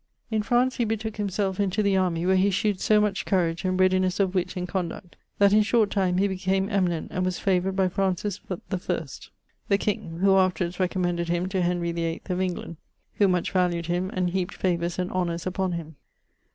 In France he betooke himself into the army, where he shewd so much courage, and readinesse of witt in conduct, that in short time he became eminent, and was favoured by the king, who afterwards recommended him to Henry the VIII of England, who much valued him, and heaped favours and honours upon him.